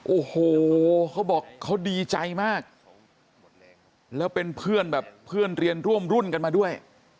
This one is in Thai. โอ้โหเขาบอกเขาดีใจมากแล้วเป็นเพื่อนแบบเพื่อนเรียนร่วมรุ่นกันมาด้วย